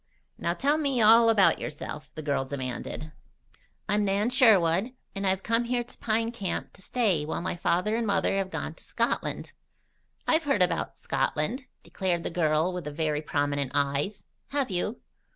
"Now tell me all about yourself," the girl demanded. "I'm Nan Sherwood, and I've come here to Pine Camp to stay while my father and mother have gone to Scotland." "I've heard about Scotland," declared the girl with the very prominent eyes. "Have you?"